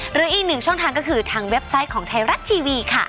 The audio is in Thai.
หรืออีกหนึ่งช่องทางก็คือทางเว็บไซต์ของไทยรัฐทีวีค่ะ